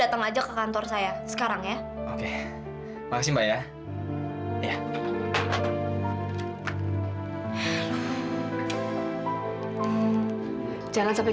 saya heran deh sama kamu